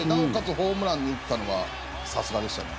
ホームラン打ったのはさすがでしたね。